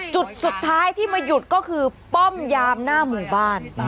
จุดสุดท้ายที่มาหยุดก็คือป้อมยามหน้าหมู่บ้าน